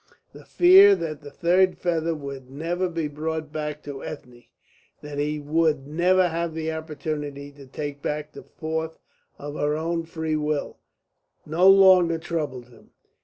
The fear that the third feather would never be brought back to Ethne, that she would never have the opportunity to take back the fourth of her own free will, no longer troubled him.